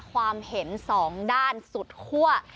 ความเห็นสองด้านสุดคั่ว